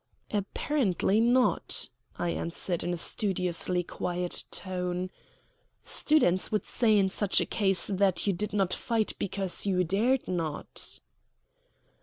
"Apparently not," I answered in a studiously quiet tone. "Students would say in such a case that you did not fight because you dared not."